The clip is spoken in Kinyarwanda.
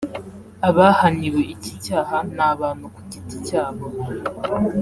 Abahaniwe iki cyaha ni abantu ku giti cyabo